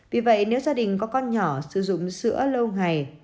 vì vậy nếu gia đình có con nhỏ sử dụng sữa lâu ngày